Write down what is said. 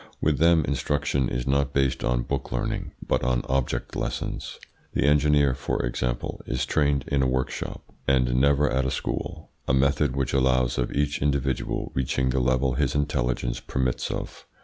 With them instruction is not based on book learning, but on object lessons. The engineer, for example, is trained in a workshop, and never at a school; a method which allows of each individual reaching the level his intelligence permits of.